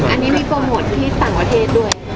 อันนี้มีโปรโมทที่ต่างประเทศด้วย